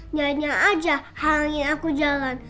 nyanya aja harangin aku jalan